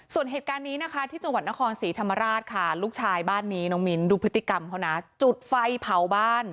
ส่วนเหตุการณ์นี้นะคะที่จังหวัดนครศรีธรรมราชค่ะลูกชายบ้านนี้น้องมิ้นดูพฤติกรรมเขานะจุดไฟเผาบ้าน